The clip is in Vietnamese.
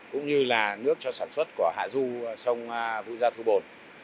cũng như là nước cho sản xuất của hạ du sông vu gia thu bồn